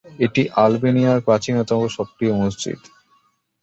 এটি আলবেনিয়ার প্রাচীনতম সক্রিয় মসজিদ।